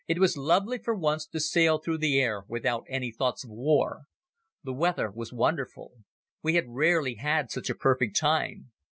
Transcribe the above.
It was lovely for once to sail through the air without any thoughts of war. The weather was wonderful. We had rarely had such a perfect time.